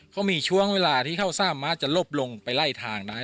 เขามีช่วงเวลาที่เขาสร้างม้าจะลบลงไปไล่ทางได้